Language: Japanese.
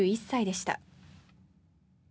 ９１歳でした。